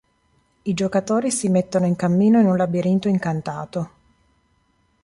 I giocatori si mettono in cammino in un labirinto "incantato".